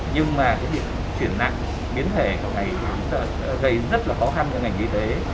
nhưng mà cái chuyển nặng biến thể của này gây rất là khó khăn cho ngành y tế